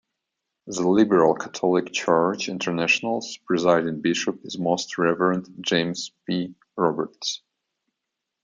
The Liberal Catholic Church International's Presiding Bishop is Most Reverend James P. Roberts.